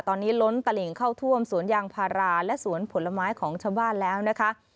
ตอนนี้ล้นตลิ่งเข้าท่วมสวนยางพาราและสวนผลไม้ของชาวบ้านแล้วนะคะ